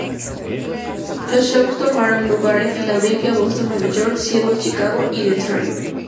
Los shows tomaron lugar en Filadelfia, Boston, Nueva York, Seattle, Chicago y Detroit.